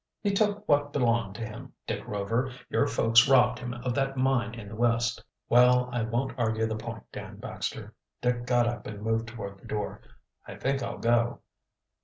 "He took what belonged to him, Dick Rover. Your folks robbed him of that mine in the West." "Well, I won't argue the point, Dan Baxter." Dick got up and moved toward the door. "I think I'll go."